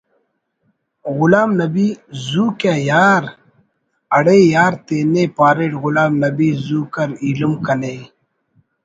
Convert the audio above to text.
غلام نبی زو کہ یار…… اڑے یار تینے پاریٹ غلام نبی زو کر ایلم کنے